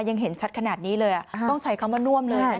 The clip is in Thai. ยังเห็นชัดขนาดนี้เลยต้องใช้คำว่าน่วมเลยนะคะ